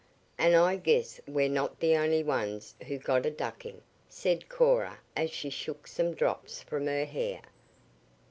"And I guess we're not the only ones who got a ducking," said Cora as she shook some drops from her hair.